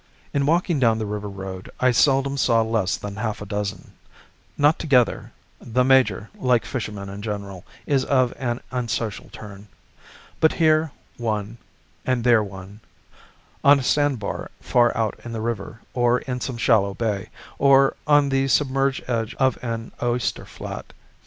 In walking down the river road I seldom saw less than half a dozen; not together (the major, like fishermen in general, is of an unsocial turn), but here one and there one, on a sand bar far out in the river, or in some shallow bay, or on the submerged edge of an oyster flat.